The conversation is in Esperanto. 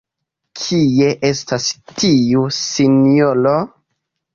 Kie estas tiu sinjoro?